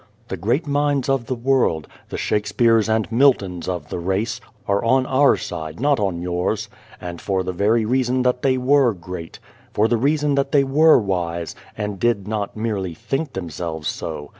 The great minds of the world and the Devil the Shakespeares and Miltons of the race are on our side, not on yours, and for the very reason that they were great ; for the reason that they were wise, and did not merely think themselves so.